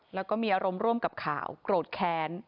แล้วก็มีอารมณ์ร่วมกับข่าวโกรธแค้น